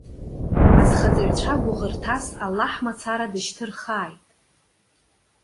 Азхаҵаҩцәа гәыӷырҭас, Аллаҳ мацара дышьҭырхааит.